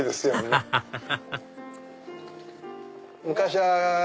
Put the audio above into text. アハハハ！